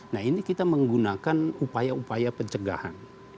nah ini kita menggunakan upaya upaya pencegahan